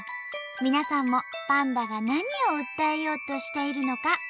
皆さんもパンダが何を訴えようとしているのか考えてね。